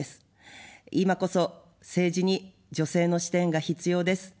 今こそ政治に女性の視点が必要です。